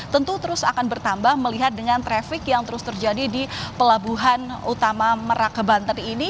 tentu terus akan bertambah melihat dengan traffic yang terus terjadi di pelabuhan utama merake banten ini